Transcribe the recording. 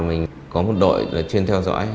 mình có một đội chuyên theo dõi